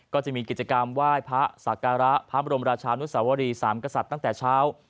ก็จะมีกิจกรรมไหว้พระศักระพระบรมราชานุสวรีสามกษัตริย์ตั้งแต่เช้า